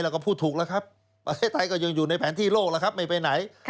พูดถูกแล้วครับประเทศไทยก็ยังอยู่ในแผนที่โลกแล้วครับไม่ไปไหน